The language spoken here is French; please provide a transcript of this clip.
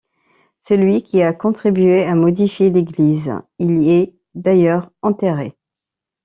C'est lui qui a contribué à modifier l'église: il y est d'ailleurs enterré.